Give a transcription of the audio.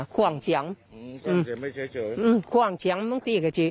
คว่างเฉียมไม่ใช่เฉียมคว่างเฉียมอย่างนี้ก็จริง